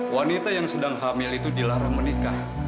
wanita yang sedang hamil itu dilarang menikah